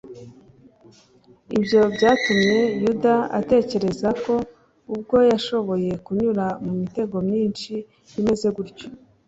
ibyo byatumye yuda atekereza ko ubwo yashoboye kunyura mu mitego myinshi imeze gutyo